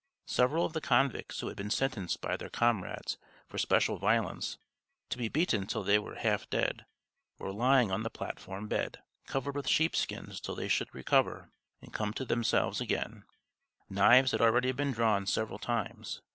Several of the convicts who had been sentenced by their comrades, for special violence, to be beaten till they were half dead, were lying on the platform bed, covered with sheepskins till they should recover and come to themselves again; knives had already been drawn several times.